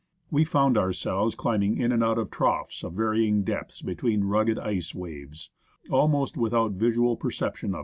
We found ourselves climbing in and out of troughs of varying depths between rugged ice waves, almost without visual perception 131 THE ASCENT OF MOUNT ST.